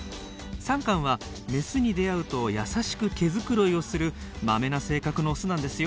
サンカンはメスに出会うと優しく毛繕いをするマメな性格のオスなんですよ。